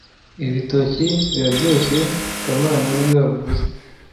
Ibi bitoki biraryoshye kamana niwe wabivuze